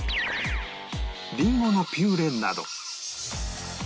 リンゴのピューレなど